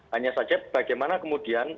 hanya saja bagaimana kemudian